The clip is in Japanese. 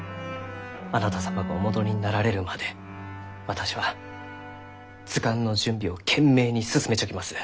あなた様がお戻りになられるまで私は図鑑の準備を懸命に進めちょきます。